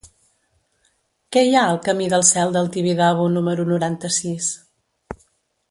Què hi ha al camí del Cel del Tibidabo número noranta-sis?